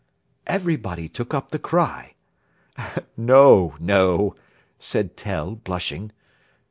Everybody took up the cry. "No, no," said Tell, blushing.